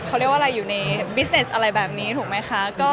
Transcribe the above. เขาเรียกว่าอะไรอยู่ในบิสเนสอะไรแบบนี้ถูกไหมคะ